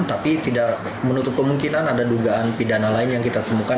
tapi tidak menutup kemungkinan ada dugaan pidana lain yang kita temukan